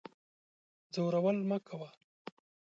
ځورول مکوه